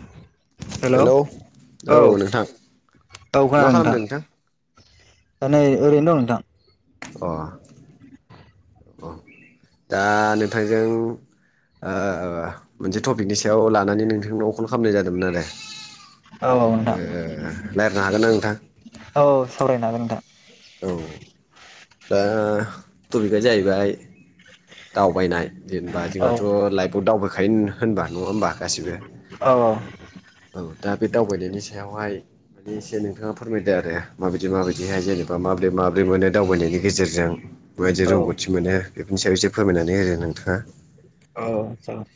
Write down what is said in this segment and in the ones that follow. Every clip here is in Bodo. [inaudible] हेल' औ हेलौ औ नोंथां मा खालामदों नोंथां? नै ओरैनो दं नोंथां। अ दा नोंथांजों ओ मोनसे टपिकनि सायाव लानानै नोंथांनाव कन खालामनाय जादोंमोन आरो। औ औ नोंथां ओ रायलायनो हागोन ना नोंथां औ औ सावरायनो हागोन नोंथां। औ दा ट'पिका जाहैबाय दावबायनाय जेनेबा औ जोंहाथ' लाइफआव दावबायखायो होनबा नङा होमबा गासिबो? औ औ दा बे दावबायनायनि सायावहाय माने एसे नोंथाङा फोरमायदो। आरो माबायदि माबायदिहाय जेनेबा माब्रै माब्रै मोनो दावबायनायनि गेजेरजों माबायदि औ रोंगौथि मोनो बेफोरनि सायाव एसे फोरमायनानै होदो नोंथाङा। औ जागोन।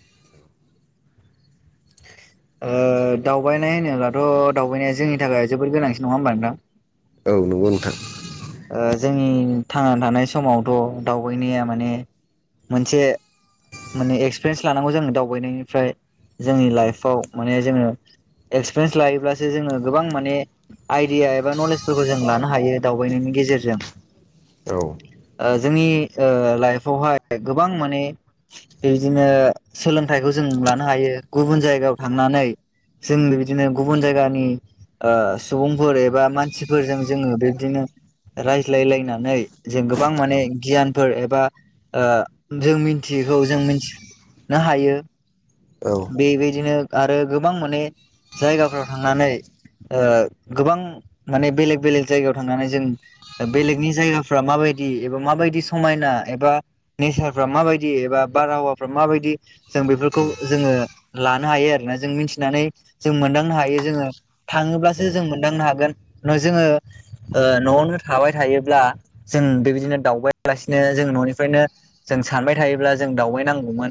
[inaudible] ओ दावबायनाय होनोब्लाथ' दावबायनाया जोंनि थाखाय जोबोद गोनांसिन नङा ओमबा नोंथां? औ नंगौ नोंथां ओ जोंनि थांना थानाय समावथ' दावबायनाया माने मोनसे माने एक्सपिरियेन्स लानांगौ जोंनि दावबायनायनिफ्राय जोंनि औ लाइफाव माने जोङो एक्सपिरियेन्स लायोब्लासो जोङो गोबां माने आइदिया एबा नलेजफोरखौ जों लानो हायो दावबायनायनि गेजेरजों औ ओ जोंनि ओ लाइफावहाय गोबां माने बिदिनो सोलोंथाइखौ जों लानो हायो गुबुन जायगायाव थांनानै जों बिबदिनो गुबुन जायगानि ओ सुबुंफोर एबा मानसिफोरजों जोङो बिबदिनो रायज्लायलायनानै जों गोबां माने गियान फोर एबा जों मिथियिखौ जों मिथिनो हायो। औ बेबायदिनो आरो गोबां माने जायगाफोराव थांनानै ओ गोबां माने बेलेग बेलेग जायगायाव थांनानै जों बेलेगनि जायगाफ्रा माबाय दि एबा माबायदि समायना एबा नेचारफ्रा माबायदि एबा बारहावाफ्रा माबायदि जों बेफोरखौ जोङो लानो हायो आरोना जों मिथिनानै जों मोनदांनो हायो जोङो थाङोब्लासो जों मोनदांनो हागोन। जोङो न'वावनो थाबाय थायोब्ला जों बेबायदिनो दावबायलासिनो जों न'निफ्रायनो जों सानबाय थायोब्ला जों दावबाय नांगौमोन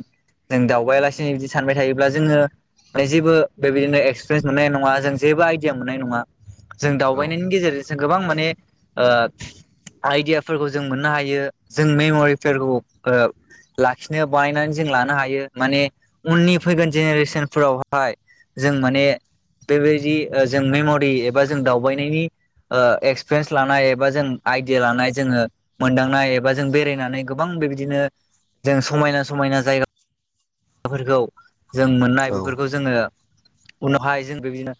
जों दावबाया ला दिनै बिदि सानबाय थायोब्ला जोङो माने जेबो बेबायदिनो एक्सप्रेन्स मोननाय नङा जों जेबो आइडिया मोननाय नङा। जों दावबायनायनि गेजेरजोंसो गोबां माने ओ आइदियाफोरखौ जों मोननो हायो। जों मेमरिफेरखौ ओ लाखिनो बानायनानै जों लानो हायो। माने उननि फैगोन जेनेरेसोनफोरावहाय जों माने बेबायदि ओ जों मेमरि एबा जों दावबायनायनि ओ एक्सप्रेन्स लानाय एबा जों आइदिया लानाय जोङो मोनदांनाय एबा जों बेरायनानै गोबां बेबिदिनो जों समायना समायना जायगा फोरखौ जों मोननाय औ बेफोरखौ जोङो उनावहाय जों बे बिदिनो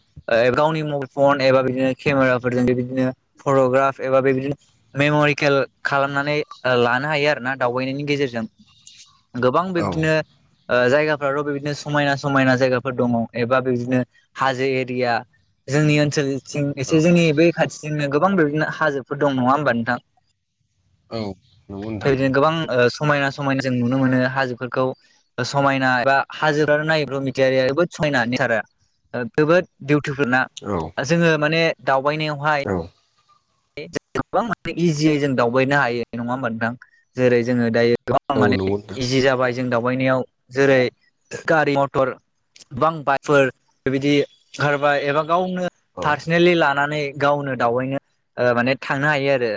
गावनि मबाइल फन एबा बिदिनो केमेराफोरजों बे बिदिनो फर ट'ग्राफ एबा बेबिदिनो मेमरिकेल खालामनानै ओ लानो हायो आरो ना दावबायनायनि गेजेरजों। गोबां बेबिदिनो ओ जायगाफोराथ' बेबिदिनो समायना समायना जायगाफोर दङ एबा बेबिदिनो हाजो एरिया जोंनि ओनसोलथिं एसे जोंनि बै खाथिथिंनो गोबां बेदिनो हाजोफोर दं नङा ओमबा नोंथां? औ। नंगौ नोंथां बेबायदिनो गोबां ओ समायना समायना जों नुनो मोनो हाजोफोरखौ। समायना एबा हाजोरा नायोबा [unintelligible] नेसारा। ओ जोबोद बिउटिफुल ना औ जोङो माने दावबाय नायावहाय औ [inaudible] गोबां माने इजियै जों दावबायनो हायो। नङा ओमबा नोंथां? जेरै जोङो दायो गोबां माने नंगौ नोंथां इजि जाबाय जों दावबायनायाव। जेरै गारि मटर गोबां बाइकफोर बेबायदि ओंखारबाय एबा गावनो औ पार्सनेलि लानानै गावनो दावबैनो ओ माने थांनो हायो आरो।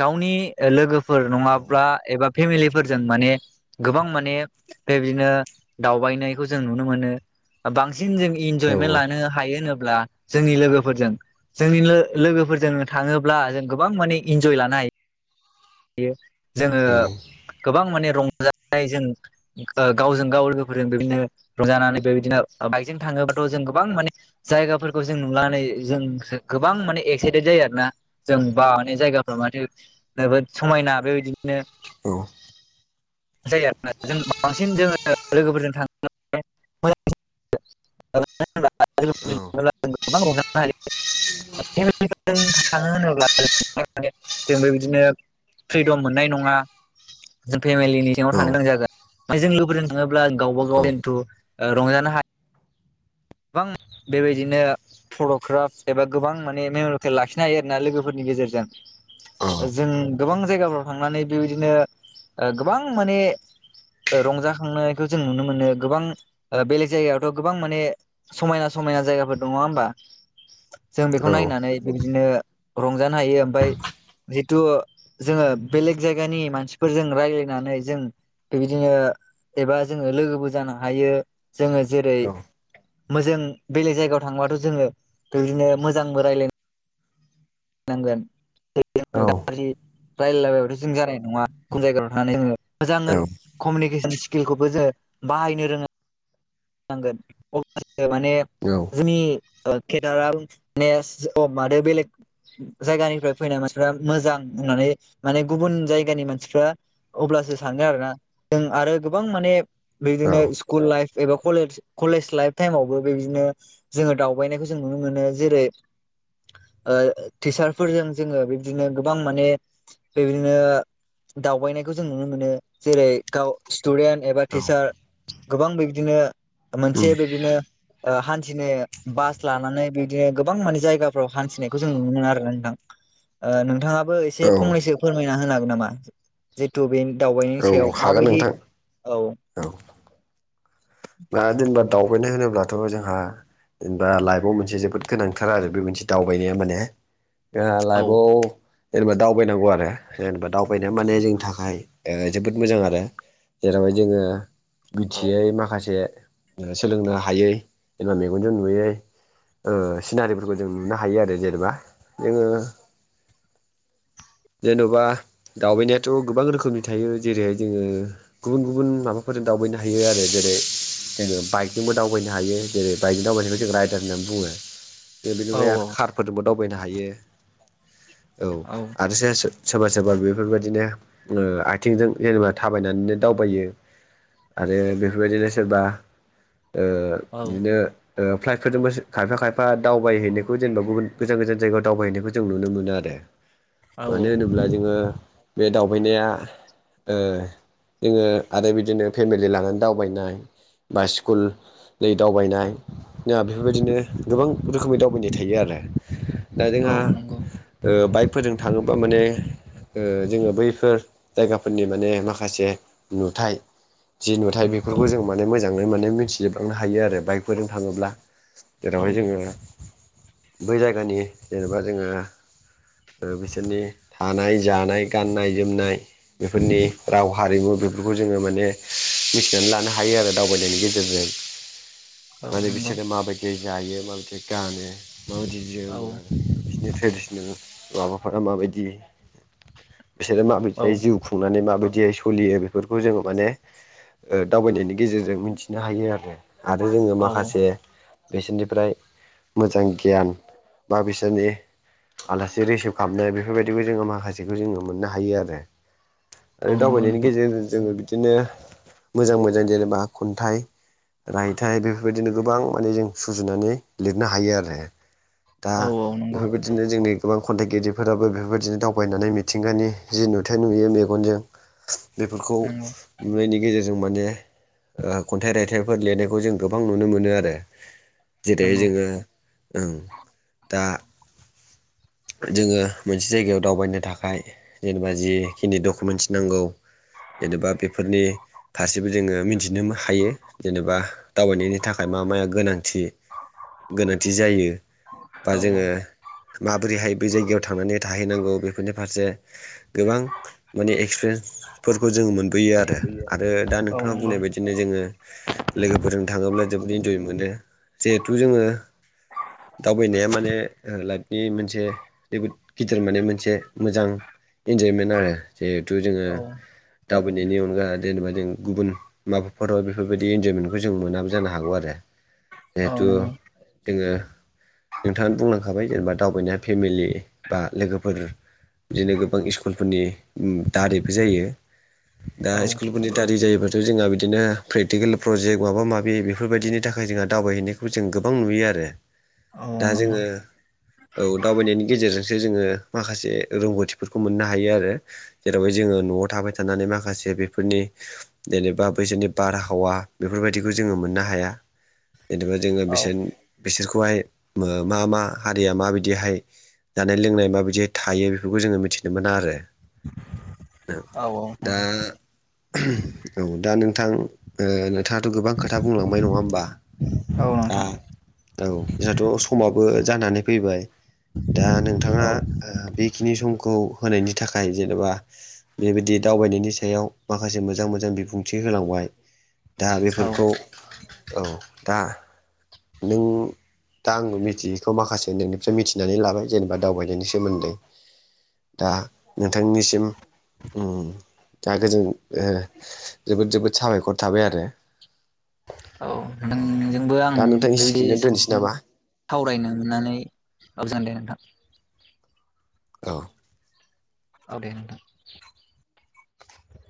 गावनि ओ लोगोफोर औ नङाब्ला औ एबा फेमिलिफोरजों माने गोबां माने बेबिदिनो दावबायनायखौ जों नुनो मोनो। ओ बां सिन जों औ इनजयमेन्ट लानो हायो होनोब्ला जोंनि लोगोफोरजों। जोंनि लो लोगोफोरजों थाङोब्ला जों गोबां माने इन्जय लानो हाय यो। जोङो औ गोबां माने रंजानायजों ओ गावजों गाव लोगोफोरजों बेबिदिनो रंजानानै बेबिदिनो ओ ओ बाइकजों थाङोबाथ' जों गोबां माने जायगाफोरखौ जों नुनानै जों गोबां माने एक्साइ थेद जायो आरोना। जों बा माने जायगाफ्रा माथो जोबोद समायना बेबायदिनो [inaudible] जायो आरोना जों बांसिन जोङो लोगोफोरजों थां [inaudible] [unintelligible] [inaudible] थाङो होनोब्ला [inaudible] जों बे बिदिनो फ्रिदम मोननाय नङा। जों फेमिलिनि सिङाव थानो गोनां जागोन। फाय जों लुबैदों नोङाब्ला गावबा गाव खेन्थु ओ रंजानो हा बां बेबायदिनो फट'ग्राफ एबा गोबां माने मेम'रिकेल लाखिनो हायो आरोना लोगोफोरनि गेजेरजों। ओ जों गोबां जायगाफ्राव थांनानै बेबिदिनो ओ गोबां माने ओ रंजाखांनायखौ जों नुनो मोनो। गोबां ओ बेलेग जायगायावथ' गोबां माने समायना समायना जायगाफोर दङा होमबा जों बेखौ नायनानै बेबिदिनो रंजानो हायो ओमफाय जितु जोङो बेलेग जायगानि मानसिफोरजों रायलायनानै जों बेबिदिनो एबा जोङो लोगोबो जानो हायो। जोङो जेरै मोजों बेलेग जायगायाव थांबाथ' जोङो बेबिदिनो मोजांबो रायलाय नांगोन [inaudible] रायलायला बायबाथ' जों जानाय नङा। गुबुन जायगायाव थांनानै जोङो मोजाङै कमिनिकेस सन स्किलखौबो जो बाहायनो रोङो नांगोन अब्लासो माने जोंनि केदाराम नेस मादो बेलेग जायगानिफ्राय फैनाय मानसिफ्रा मोजां बुंनानै माने गुबुन जायगानि मानसिफ्रा अब्ला सो सानदों आरोना जों आरो गोबां माने बिदिनो स्कुल लाइफ एबा कलेज कलेज लाइफ टाइमावबो बेदिनो जोङो दावबायनायखौ जों नुनो मोनो जेरै टिचारफोरजों जोङो बिबदिनो गोबां माने बेबायदिनो दावबायनायखौ जों नुनो मोनो जेरै गाव स्टुडेन्ट एबा टिचार गोबां बिबदिनो मोनसे बिबदिनो ओ हान्थिनो बास लानानै बिदिनो गोबां माने जायगाफ्राव हान्थिनायखौ जों नुनो मोनो आरो नोंथां। ओ नोंथाङाबो एसे फंनैसो फोरमायना होनो हागोन नामा जितु बे दावबायनि सायाव हागोन माबायदि नोंथां औ ना जेनेबा दावबायनाय होनो ब्लाथ' जोंहा जेनेबा लाइफआव मोनसे जोबोद गोनांथार आरो बे मोनसे दावबायनाया माने जोंहा औ लाइबआव जेनेबा दावबायनांगौ आरो जेनेबा दावबायनो माने जोंनि थाखाय जोबोद मोजां आरो। जेरावहाय जोङो औ मिथियै माखासे जे सोलोंनो हायै जेनबा मेगनजों नुयै ओ सिनारिफोरखौ जों नुनो हायो आरो जेनेबा जोङो [inaudible] जेन'बा दावबायनायाथ गोबां रोखोमनि थायो जेरैहाय जोङो गुबुन गुबुन माबाफोर दावबायनो हायो आरो जेरै जोङो बाइकजोंबो दावबायनो हायो जेरै बाइकजों दावबायनो जों राइडार होननानै बुङो। बेबायदि औ बे आरो कारफोरजोंबो दावबायनो हायो औ आरो जे सो सोरबा सोरबा बेफोरबायदिनो ओ आथिंजों जेनेबा थाबायनानैनो दावबायो आरो बेफोरबायदिनो सोरबा ओ औ बिदिनो ओ फ्लाइटफोरजोंबो सो खायफा खायफा दावबायहैनायखौ जेनेबा गुबुन गोजान गोजान जायगायाव दावबायहैनायखौ जों नुनो मोनो आरो। औ मानो होनोब्ला जोङो बे दावबायनाया ओ जोङो आरो बिदिनो फेमिलि लानानै दावबायनाय बा स्कुलनि दावबायनाय बेफोरबायदिनो गोबां रोखोमनि दावबायनाय थायो। आरो दा औ जोंहा नंगौ ओ बाइकफोरजों थाङोबा माने ओ जोङो बैफोर जायगाफोरनि माने माखासे नुथाय जि नुथाय औ बेफोरखौ जों माने मोजाङै माने मिथिजोबलांनो हायो आरो बाइकफोरजों थाङोब्ला। जेरावहाय जोङो बै जायगानि जेनेबा जोङो बिसोरनि थानाय जानाय गाननाय जोमनाय बेफोरनि राव हारिमु बेफोरखौ जोङो माने मिथिनानै लानो हा हायो आरो दावबायनायनि गेजेरजों औ माने नंगौ बिसोरो माबायदि जायो माबायदि गानो माबायदि औ जोमो आरो बिसोरनि ट्रेडिसनेल माबाफोरा माबायदि बिसोरो औ माबायदिहाय जिउ खुंनानै माबायदि दियै सोलियो बेफोरखौ जोङो माने दावबायनायनि गेजेरजों मिथिनो हायो आरो। आरो जोङो औ माखासे बिसोरनिफ्राय मोजां गियान बा बिसोरनि आलासि रिसिभ खालामनाय बेफोरबायदिखौ जोङो माखासेखौ जोङो मोननो हायो आरो। आरो औ नंगौ दावबायनायनि नोंथां गेजेरजों जोङो बिदिनो मोजां मोजां जेनेबा खन्थाइ रायथाइ बेफोरबायदिनो गोबां माने जों सुजुनानै लिरनो हायो आरो। दा औ औ नंगौ बेफोरबायदिनो जोंनि गोबां खन्थाइगिरिफोराबो बेफोरबायदिनो दावबायनानै मिथिंगानि जि नुथाय नुयो मेगनजों बेफोरखौ नंगौ नुनायनि गेजेरजों जों माने खन्थाइ रायथाइफोर लिरनायखौ जों गोबां नुनो मोनो आरो। जेरै नंगौ जोङो ओं दा जोङो मोनसे जायगायाव दावबायनो थाखाय जेनेबा जिखिनि डकुमेन्टस नांगौ जेनेबा बेफोरनि फारसेबो जोङो मिथिनो हायो जेनेबा दावबायनायनि थाखाय मा माया गोनांथि। गोनांथि जायो बा औ जोङो। माबोरैहाय बे जायगायाव थांनानै थाहैनांगौ बेफोरनि फारसे गोबां माने एक्सपिरियेन्स। फोरखौ जोङो मोनबोयो आरो आरो दा औ नोंथाङा नंगौ बुंनाय बायदिनो जोङो लोगोफोरजों थाङोब्ला। जोबोद इन्जय मोनो जिहेथु जोङो दावबायनाया माने लाइफनि मोनसे जोबोद गिदिर माने मोनसे मोजां इन्जयमेन्ट आरो जिहेथु औ जोङो। नि अनगा जेनबा जों गुबुन माबाफोराव बेफोरबायदि इन्जयमेन्टखौ जों मोनाब। जानो हागौ आरो औ जिहेथु नंगौ जोङो नोंथाङ बुंलांखाबाय जेनेबा। दावबायनाय फेमिलि बा लोगोफोर। बिदिनो गोबां स्कुलफोरनि दारैबो जायो। दा औ नंगौ औ स्कुलफोरनि दारि जायोबा। थ' जोंहा बिदिनो प्रेकटिकेल प्रजेक्ट माबा माबि बेफोरबायदिनि थाखाय जोंहा दावबायहैनायखौ जों गोबां नुयो आरो। औ औ दा नंगौ जोङो। औ दावबायनायनि गेजेरजोंसो जोङो माखासे रोंगौथिफोरखौ मोननो हायो आरो जेरावहाय जोङो न'आव थाबाय थानानै माखासे बेफोरनि जेनेबा बैसोरनि बारहावा बेफोरबायदिखौ जोङो मोनो। नो हाया जेनबा जोङ बिसोरखौहाय मा मा हारिया म बिदिहाय जानाय लोंनाय माबायदिहाय थायो बेफोरखौ जोङो मिथिनो मोना आरो। दा औ औ दा नोंथां। नोंथाङाथ' गोबां खोथा बुंलांबाय नङा होमबा? नोंथां दा औ जोंहाथ' समाव। जानानै फै द नोंथाङा औ बेखिनि खौ होनायनि थाखाय जेनेबा बेबायदि दावबायनायनि सायाव माखासे मोजां मोजां बिबुंथि। होलांबाय दा औ बेफोरखौ औ दा नों। दा आं मिथियैखौ माखासे नोंनिफ्राय मिथिनानै लाबाय जेनेबा दावबायनायनि सोमोन्दै दा नोंथांनिसिम। दा गोजों जोबोद जोबोद साबायखर थाबाय आरो। औ नोंजोंबो आं दा नोंथां बेबायदि। इसिखिनो दोनसै नामा सावरायनो मोननानै गोजोनबाय नोंथां। औ। औ दे नोंथां।